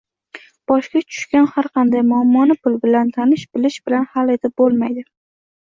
Boshga tushgan har qanday muammoni pul bilan, tanish-bilish bilan hal etib bo‘lmaydi.